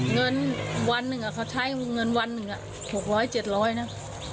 เงินวันหนึ่งเขาใช้วงเงินวันหนึ่ง๖๐๐๗๐๐นะ